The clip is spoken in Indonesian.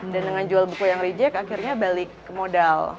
dan dengan jual buku yang reject akhirnya balik ke modal